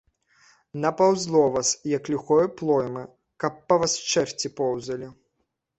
Напаўзло вас, як ліхое плоймы, каб па вас чэрві поўзалі.